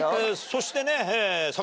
そしてね。